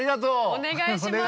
お願いします。